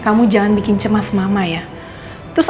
aku putuskan untuk menyelesaikan secara kekontrolan